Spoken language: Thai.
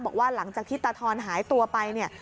บอกว่าหลังจากที่ตาทอนหายตัวไปเนี่ย